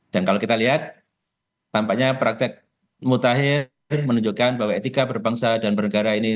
dan kalau kita lihat tampaknya praktek mutakhir menunjukkan bahwa etika berbangsa dan bernegara ini